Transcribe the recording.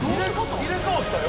入れ代わったよ！？